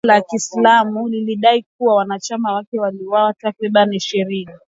Jimbo la Kiislamu ilidai kuwa wanachama wake waliwauwa takribani ishirini